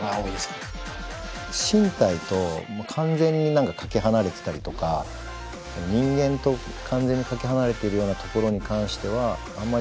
身体と完全に何かかけ離れてたりとか人間と完全にかけ離れているようなところに関してはあんまり興味ないのかな。